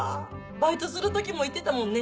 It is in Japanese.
バイトする時も言ってたもんね